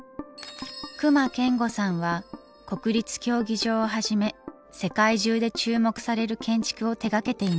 隈研吾さんは国立競技場をはじめ世界中で注目される建築を手がけています。